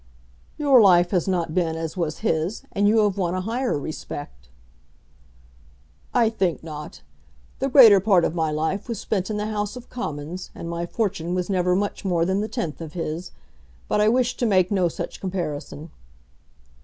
"Your life has not been as was his, and you have won a higher respect." "I think not. The greater part of my life was spent in the House of Commons, and my fortune was never much more than the tenth of his. But I wish to make no such comparison."